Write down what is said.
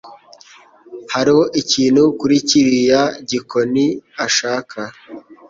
Hariho ikintu kuri kiriya gikoni ashaka.